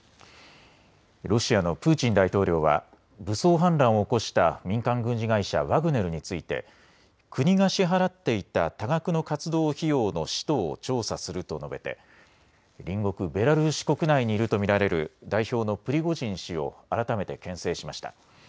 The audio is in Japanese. ロシアのプーチン大統領は武装反乱を起こした民間軍事会社、ワグネルについて国が支払っていた多額の活動費用の使途を調査すると述べて隣国ベラルーシ国内にいると見られる代表のプリゴジン氏を改めてけん制しました。